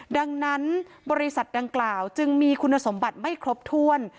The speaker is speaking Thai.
ดังนั้นบริษัทดังกล่าวจึงมีคุณสมบัติไม่ครบถ้วน